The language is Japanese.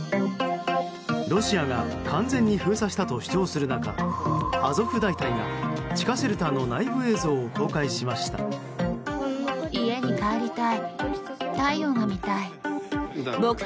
ロシアが完全に封鎖したと主張する中アゾフ大隊が地下シェルターの内部映像を公開しました。